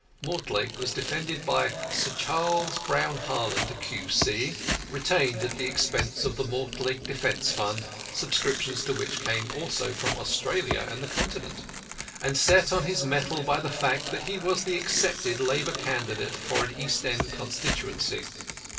Mortlake was defended by Sir Charles Brown Harland, Q.C., retained at the expense of the Mortlake Defence Fund (subscriptions to which came also from Australia and the Continent), and set on his mettle by the fact that he was the accepted labour candidate for an East end constituency.